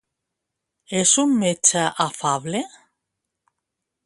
És un metge afable?